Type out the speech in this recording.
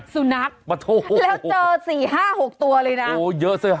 สุนัขแล้วเจอสี่ห้าหกตัวเลยนะโอ้เยอะเสีย